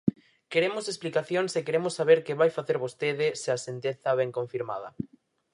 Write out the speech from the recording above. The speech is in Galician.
Queremos explicacións e queremos saber que vai facer vostede se a sentenza vén confirmada.